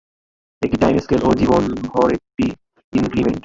একটি time scale ও জীবনভর একটি ইনক্রিমেন্ট।